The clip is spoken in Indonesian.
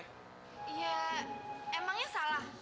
ya emangnya salah